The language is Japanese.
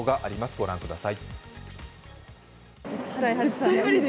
ご覧ください。